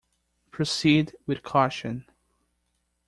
Proceed with caution.